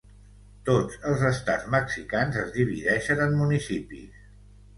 Tots els estats mexicans es divideixen en municipis.